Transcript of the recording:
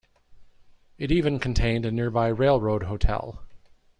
It even contained a nearby railroad hotel.